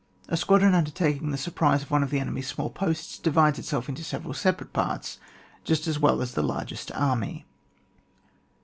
A squadron undertaking the surprise of one of the enemy's small posts divides itself into several separate parts just as well as the largest army.